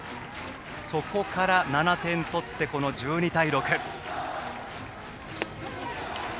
そこから７点取って１２対６。